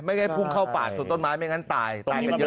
ไม่ให้พุ่งเข้าปากส่วนต้นไม้ไม่งั้นตายตายเป็นเยอะแล้วตรงเนี้ย